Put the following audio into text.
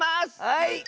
はい！